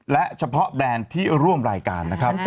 และเฉพาะแบรนด์ที่ร่วมรายการนะครับ